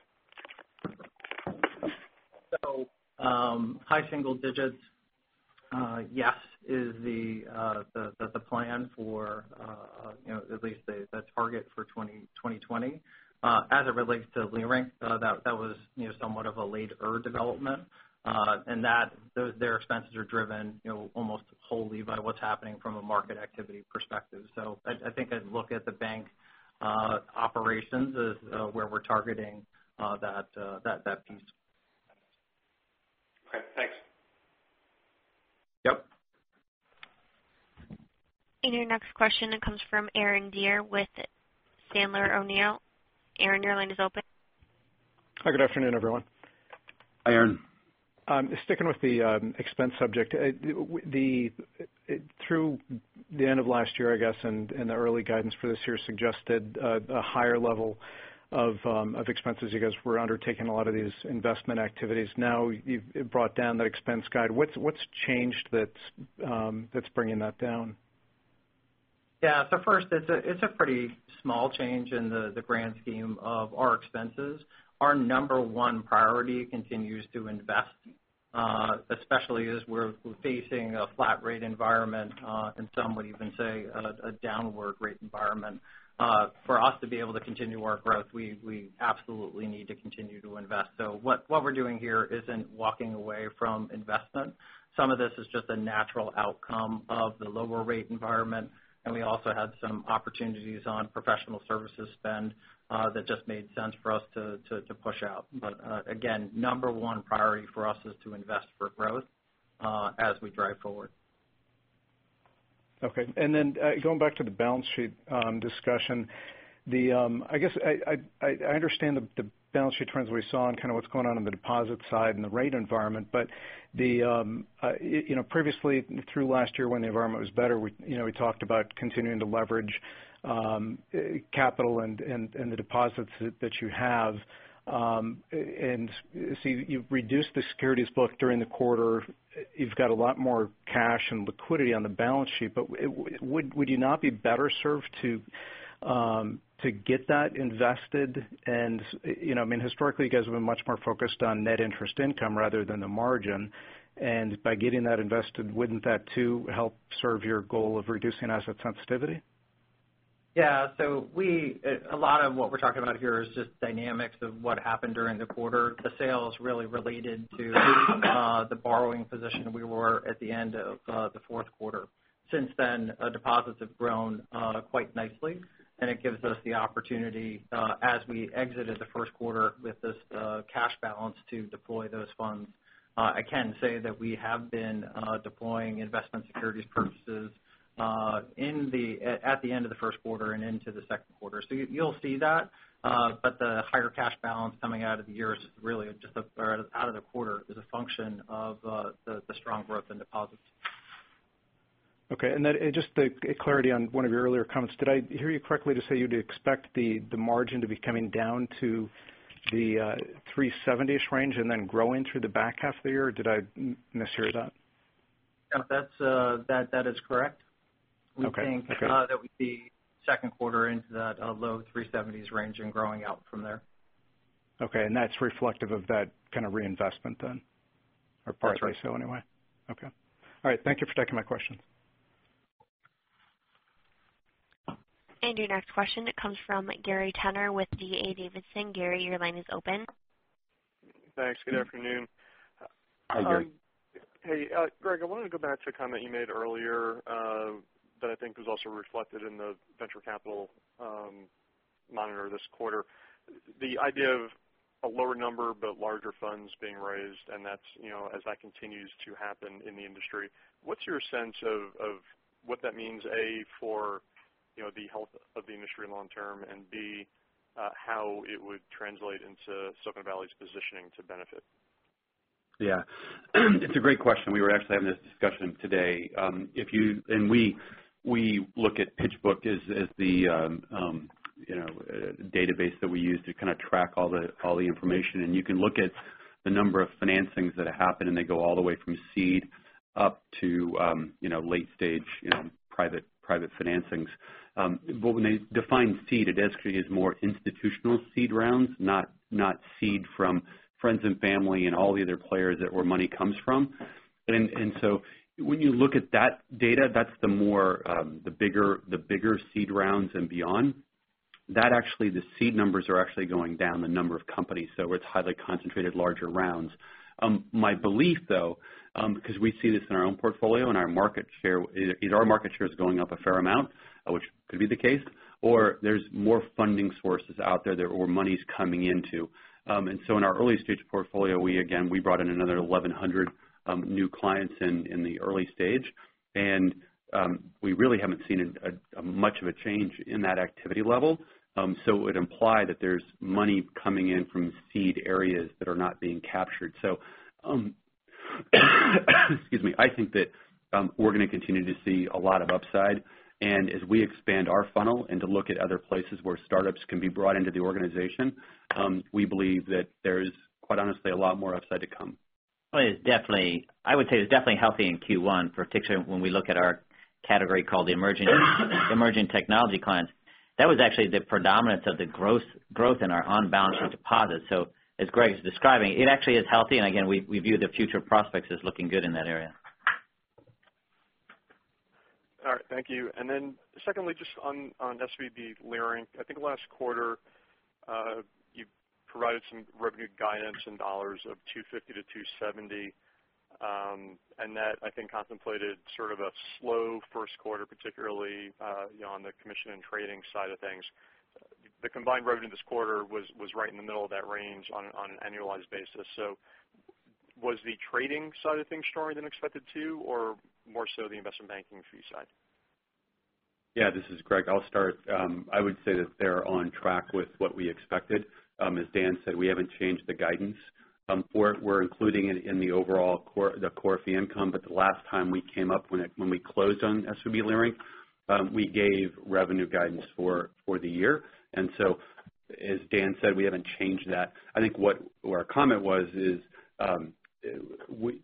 High single digits, yes, is the plan for at least the target for 2020. As it relates to Leerink, that was somewhat of a later development, and their expenses are driven almost wholly by what's happening from a market activity perspective. I think I'd look at the bank operations as where we are targeting that piece. Okay, thanks. Yep. Your next question comes from Aaron Deer with Sandler O'Neill. Aaron, your line is open. Hi. Good afternoon, everyone. Hi, Aaron. Sticking with the expense subject. Through the end of last year, I guess, and the early guidance for this year suggested a higher level of expenses. You guys were undertaking a lot of these investment activities. Now you've brought down that expense guide. What's changed that's bringing that down? Yeah. First, it's a pretty small change in the grand scheme of our expenses. Our number one priority continues to invest, especially as we're facing a flat rate environment, and some would even say a downward rate environment. For us to be able to continue our growth, we absolutely need to continue to invest. What we're doing here isn't walking away from investment. Some of this is just a natural outcome of the lower rate environment, and we also had some opportunities on professional services spend that just made sense for us to push out. Again, number one priority for us is to invest for growth as we drive forward. Okay. Going back to the balance sheet discussion. I understand the balance sheet trends we saw and kind of what's going on in the deposit side and the rate environment. Previously through last year when the environment was better, we talked about continuing to leverage capital and the deposits that you have. I see you've reduced the securities book during the quarter. You've got a lot more cash and liquidity on the balance sheet, but would you not be better served to get that invested? Historically, you guys have been much more focused on NII rather than the margin. By getting that invested, wouldn't that too help serve your goal of reducing asset sensitivity? Yeah. A lot of what we're talking about here is just dynamics of what happened during the quarter. The sales really related to the borrowing position we were at the end of the fourth quarter. Since then, deposits have grown quite nicely, and it gives us the opportunity, as we exited the first quarter with this cash balance to deploy those funds. I can say that we have been deploying investment securities purchases at the end of the first quarter and into the second quarter. You'll see that, but the higher cash balance coming out of the quarter is a function of the strong growth in deposits. Okay. Just the clarity on one of your earlier comments. Did I hear you correctly to say you'd expect the margin to be coming down to the 370-ish range and then growing through the back half of the year? Did I mishear that? That is correct. Okay. We think that we'd be second quarter into that low 370s range and growing out from there. Okay. That's reflective of that kind of reinvestment then? That's right. Partly so, anyway. Okay. All right. Thank you for taking my question. Your next question comes from Gary Tenner with D.A. Davidson. Gary, your line is open. Thanks. Good afternoon. Hi, Gary. Hey, Greg, I wanted to go back to a comment you made earlier that I think was also reflected in the venture capital monitor this quarter. The idea of a lower number but larger funds being raised, and as that continues to happen in the industry, what's your sense of what that means, A, for the health of the industry long term, and B, how it would translate into Silicon Valley's positioning to benefit? Yeah. It's a great question. We were actually having this discussion today. We look at PitchBook as the database that we use to kind of track all the information. You can look at the number of financings that happen, and they go all the way from seed up to late stage private financings. When they define seed, it actually is more institutional seed rounds, not seed from friends and family and all the other players that where money comes from. When you look at that data, that's the bigger seed rounds and beyond. The seed numbers are actually going down the number of companies. It's highly concentrated larger rounds. My belief though, because we see this in our own portfolio and either our market share is going up a fair amount, which could be the case, or there's more funding sources out there that more money's coming into. In our early-stage portfolio, we again brought in another 1,100 new clients in the early stage. We really haven't seen much of a change in that activity level. It would imply that there's money coming in from seed areas that are not being captured. Excuse me. I think that we're going to continue to see a lot of upside. As we expand our funnel and to look at other places where startups can be brought into the organization, we believe that there's quite honestly a lot more upside to come. Well, I would say it's definitely healthy in Q1, particularly when we look at our category called the emerging technology clients. That was actually the predominance of the growth in our on-balance sheet deposits. As Greg's describing, it actually is healthy. Again, we view the future prospects as looking good in that area. All right. Thank you. Secondly, just on SVB Leerink. I think last quarter, you provided some revenue guidance in dollars of $250 million-$270 million. That, I think, contemplated sort of a slow first quarter, particularly on the commission and trading side of things. The combined revenue this quarter was right in the middle of that range on an annualized basis. Was the trading side of things stronger than expected too, or more so the investment banking fee side? This is Greg. I'll start. I would say that they're on track with what we expected. As Dan said, we haven't changed the guidance. We're including it in the overall core fee income. The last time we came up when we closed on SVB Leerink, we gave revenue guidance for the year. As Dan said, we haven't changed that. I think what our comment was is,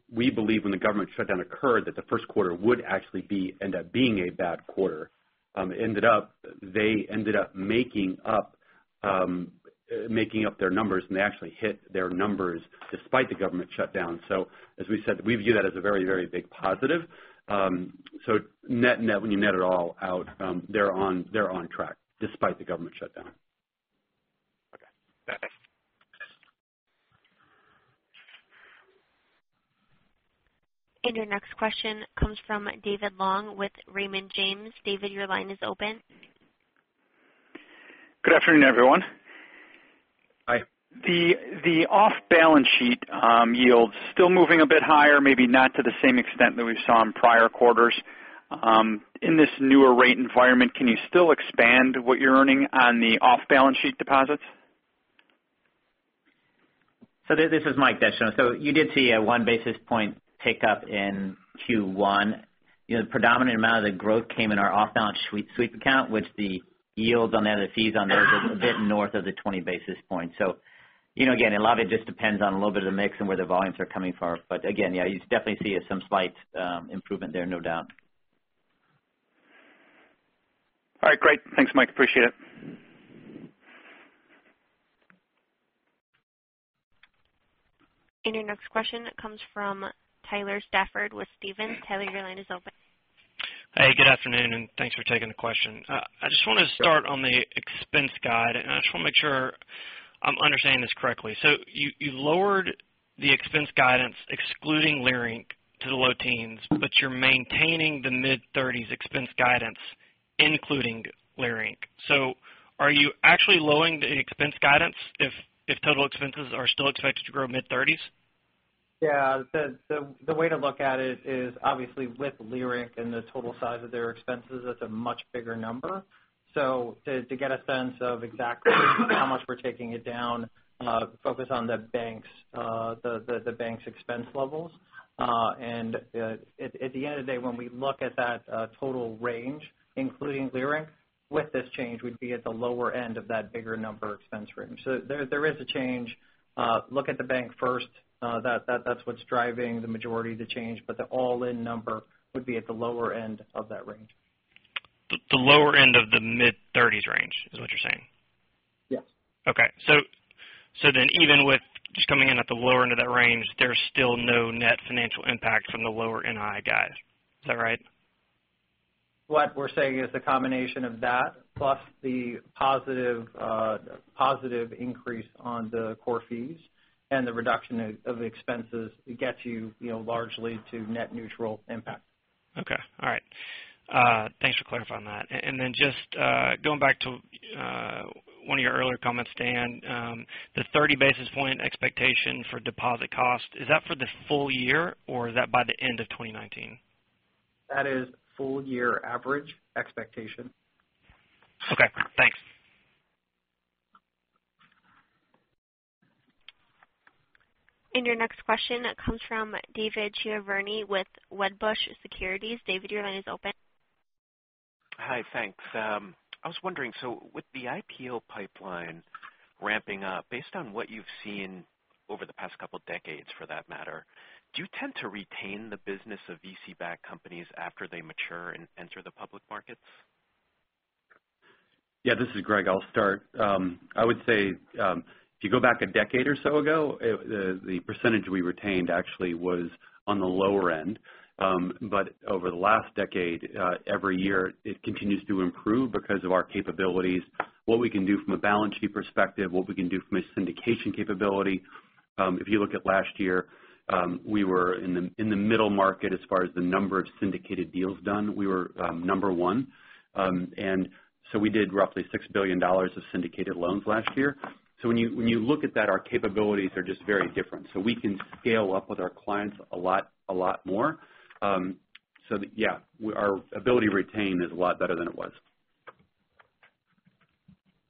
we believe when the government shutdown occurred, that the first quarter would actually end up being a bad quarter. They ended up making up their numbers, and they actually hit their numbers despite the government shutdown. As we said, we view that as a very big positive. When you net it all out, they're on track despite the government shutdown. Okay. Thanks. Your next question comes from David Long with Raymond James. David, your line is open. Good afternoon, everyone. Hi. The off-balance sheet yields still moving a bit higher, maybe not to the same extent that we saw in prior quarters. In this newer rate environment, can you still expand what you're earning on the off-balance sheet deposits? This is Mike Descheneaux. You did see a one basis point tick up in Q1. The predominant amount of the growth came in our off-balance sheet sweep account, which the yields on that, or the fees on that, are a bit north of the 20 basis points. Again, a lot of it just depends on a little bit of the mix and where the volumes are coming from. Again, yeah, you definitely see some slight improvement there, no doubt. All right, great. Thanks, Mike. Appreciate it. Your next question comes from Tyler Stafford with Stephens. Tyler, your line is open. Hey, good afternoon, and thanks for taking the question. I just want to start on the expense guide. I just want to make sure I'm understanding this correctly. You lowered the expense guidance excluding Leerink to the low teens, but you're maintaining the mid-30% expense guidance including Leerink. Are you actually lowering the expense guidance if total expenses are still expected to grow mid-30%? Yeah. The way to look at it is obviously with Leerink and the total size of their expenses, that's a much bigger number. To get a sense of how much we're taking it down, focus on the bank's expense levels. At the end of the day, when we look at that total range, including Leerink, with this change, we'd be at the lower end of that bigger number expense range. There is a change. Look at the bank first. That's what's driving the majority of the change. The all-in number would be at the lower end of that range. The lower end of the mid-30% range is what you're saying? Yes. Okay. Even with just coming in at the lower end of that range, there's still no net financial impact from the lower NI guide. Is that right? What we're saying is the combination of that plus the positive increase on the core fees and the reduction of expenses gets you largely to net neutral impact. Okay. All right. Thanks for clarifying that. Then just going back to one of your earlier comments, Dan, the 30 basis point expectation for deposit cost, is that for the full year, or is that by the end of 2019? That is full year average expectation. Okay, thanks. Your next question comes from David Chiaverini with Wedbush Securities. David, your line is open. Hi. Thanks. I was wondering, so with the IPO pipeline ramping up, based on what you've seen over the past couple of decades for that matter, do you tend to retain the business of VC-backed companies after they mature and enter the public markets? Yeah, this is Greg. I'll start. I would say, if you go back a decade or so ago, the percentage we retained actually was on the lower end. Over the last decade, every year it continues to improve because of our capabilities, what we can do from a balance sheet perspective, what we can do from a syndication capability. If you look at last year, we were in the middle market as far as the number of syndicated deals done. We were number one. We did roughly $6 billion of syndicated loans last year. When you look at that, our capabilities are just very different. We can scale up with our clients a lot more. Yeah, our ability to retain is a lot better than it was.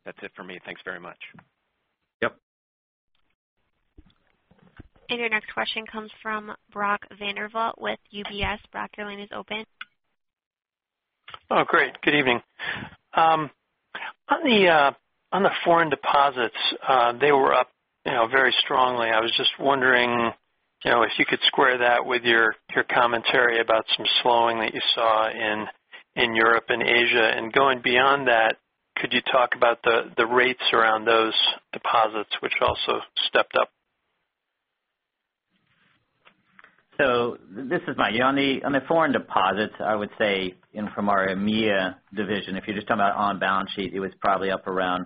That's it for me. Thanks very much. Yep. Your next question comes from Brock Vandervliet with UBS. Brock, your line is open. Oh, great. Good evening. On the foreign deposits, they were up very strongly. I was just wondering if you could square that with your commentary about some slowing that you saw in Europe and Asia. Going beyond that, could you talk about the rates around those deposits which also stepped up? This is Mike. On the foreign deposits, I would say from our EMEA division, if you're just talking about on balance sheet, it was probably up around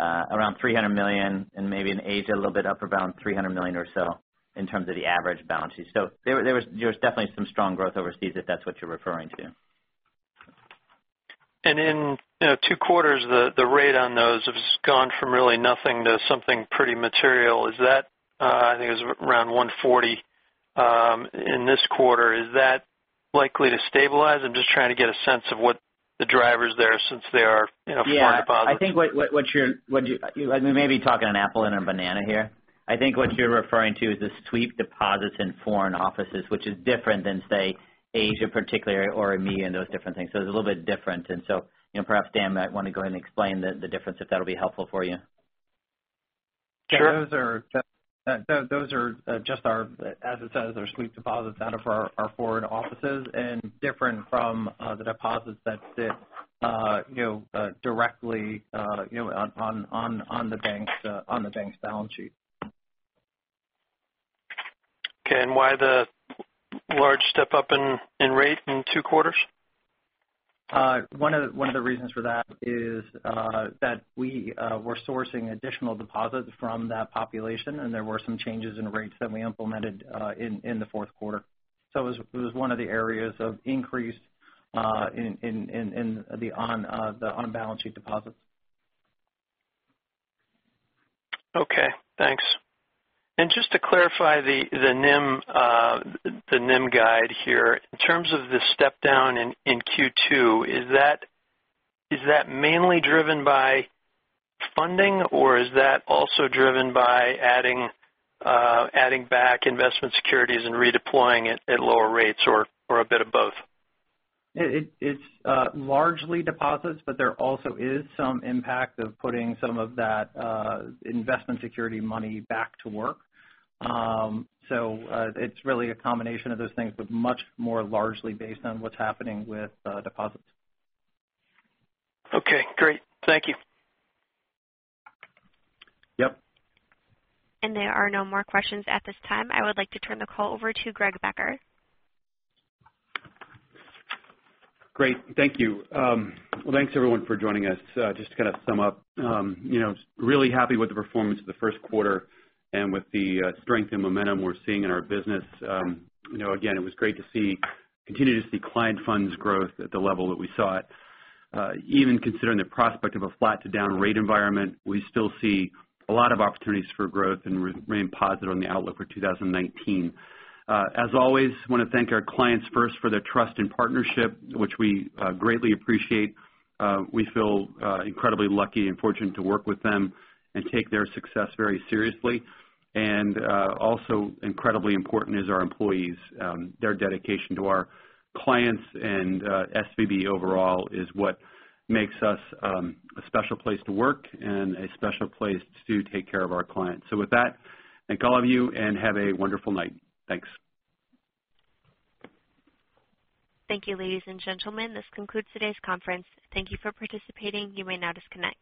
$300 million and maybe in Asia a little bit up around $300 million or so in terms of the average balance sheet. There was definitely some strong growth overseas if that's what you're referring to. In two quarters, the rate on those has gone from really nothing to something pretty material. I think it was around 140 in this quarter. Is that likely to stabilize? I'm just trying to get a sense of what the drivers there since they are foreign deposits. Yeah, I think I may be talking an apple and a banana here. I think what you're referring to is the sweep deposits in foreign offices, which is different than, say, Asia particularly or EMEA and those different things. It's a little bit different. Perhaps Dan might want to go ahead and explain the difference if that'll be helpful for you. Sure. Those are just our, as it says, our sweep deposits out of our foreign offices and different from the deposits that sit directly on the bank's balance sheet. Okay. Why the large step up in rate in two quarters? One of the reasons for that is that we were sourcing additional deposits from that population, and there were some changes in rates that we implemented in the fourth quarter. It was one of the areas of increase in the on-balance-sheet deposits. Okay, thanks. Just to clarify the NIM guide here, in terms of the step down in Q2, is that mainly driven by funding, or is that also driven by adding back investment securities and redeploying it at lower rates, or a bit of both? It's largely deposits, but there also is some impact of putting some of that investment security money back to work. It's really a combination of those things, but much more largely based on what's happening with deposits. Okay, great. Thank you. Yep. There are no more questions at this time. I would like to turn the call over to Greg Becker. Great. Thank you. Thanks everyone for joining us. Just to kind of sum up, really happy with the performance of the first quarter and with the strength and momentum we're seeing in our business. Again, it was great to continue to see client funds growth at the level that we saw it. Even considering the prospect of a flat to down rate environment, we still see a lot of opportunities for growth and remain positive on the outlook for 2019. As always, want to thank our clients first for their trust and partnership, which we greatly appreciate. We feel incredibly lucky and fortunate to work with them and take their success very seriously. Also incredibly important is our employees. Their dedication to our clients and SVB overall is what makes us a special place to work and a special place to take care of our clients. With that, thank all of you and have a wonderful night. Thanks. Thank you, ladies and gentlemen. This concludes today's conference. Thank you for participating. You may now disconnect.